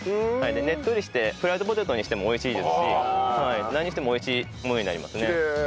ねっとりしてフライドポテトにしても美味しいですし何にしても美味しいものになりますね。